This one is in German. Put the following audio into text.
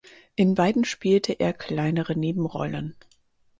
In beiden spielte er kleinere Nebenrollen.